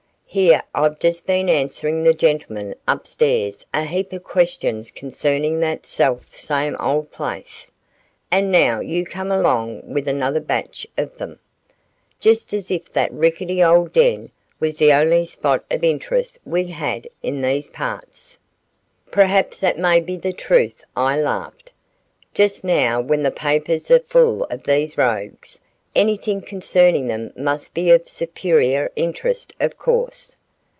Here I've just been answering the gentleman up stairs a heap of questions concerning that self same old place, and now you come along with another batch of them; just as if that rickety old den was the only spot of interest we had in these parts." "Perhaps that may be the truth," I laughed. "Just now when the papers are full of these rogues, anything concerning them must be of superior interest of course."